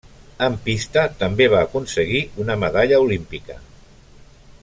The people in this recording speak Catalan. En pista, també va aconseguir una medalla olímpica.